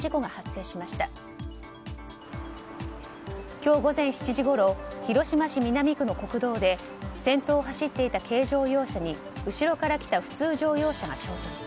今日午前７時ごろ広島市南区の国道で先頭を走っていた軽乗用車に後ろから来た普通乗用車が衝突。